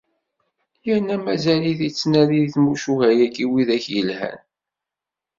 Yerna mazal-it ittnadi di tmucuha-agi widak i yelhan.